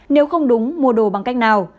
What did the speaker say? nếu không đúng mua đồ bằng cách nào